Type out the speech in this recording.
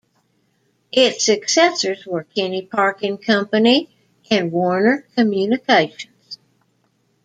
Its successors were Kinney Parking Company and Warner Communications.